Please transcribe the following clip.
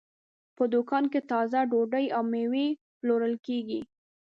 په دوکان کې تازه ډوډۍ او مېوې پلورل کېږي.